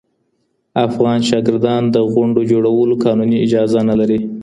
افغان شاګردان د غونډو جوړولو قانوني اجازه نه لري.